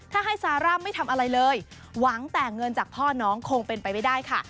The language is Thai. ถ้าให้ซาร่าไม่ทำอะไรเลยหวังแต่เงินจากพ่อน้องคงเป็นไปไม่ได้ค่ะ